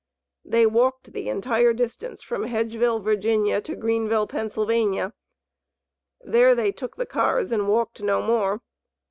They walked the entire distance from Hedgeville, Va., to Greenville, Pa. There they took the cars and walked no more.